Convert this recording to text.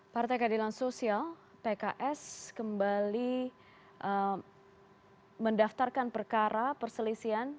partai keadilan sosial pks kembali mendaftarkan perkara perselisihan